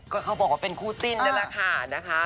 ก็เขาบอกว่าเป็นคู่จิ้นนั่นแหละค่ะนะคะ